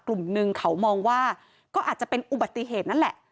กลุ่มหนึ่งเขามองว่าก็อาจจะเป็นอุบัติเหตุนั่นแหละ